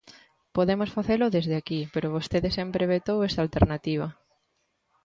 Podemos facelo desde aquí, pero vostede sempre vetou esta alternativa.